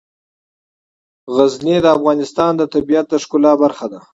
غزني د افغانستان د طبیعت د ښکلا برخه ده.